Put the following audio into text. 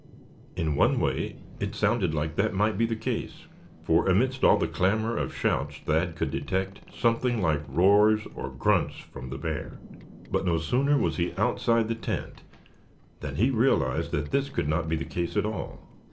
In one way it sounded like that might be the case, for amidst all the clamor of shouts Thad could detect something like roars or grunts from the bear. But no sooner was he outside the tent than he realized that this could not be the case at all.